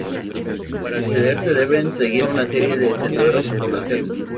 Para acceder se deben seguir una serie de senderos por la selva.